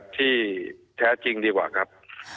ที่แท้จริงดีกว่าครับ